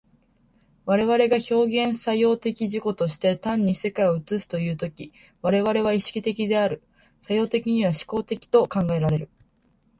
我々が表現作用的自己として単に世界を映すという時、我々は意識的である、作用的には志向的と考えられる。